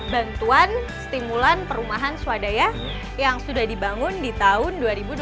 bantuan stimulan perumahan swadaya yang sudah dibangun di tahun dua ribu dua puluh